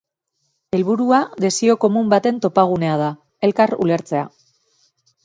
Helburua desio komun baten topagunea da, elkar ulertzea.